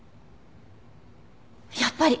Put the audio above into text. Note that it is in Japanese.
やっぱり！